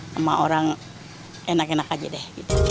sama orang enak enak aja deh